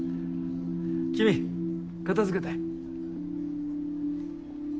君片づけて。